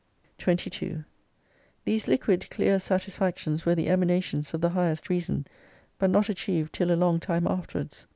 22 These liquid, clear satisfactions were the emanations of the highest reason, but not achieved till a long time afterw^ards.